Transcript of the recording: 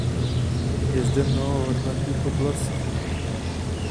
Je zde mnoho hornatých oblastí.